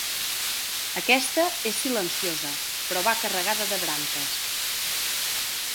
Aquesta és silenciosa però va carregada de branques.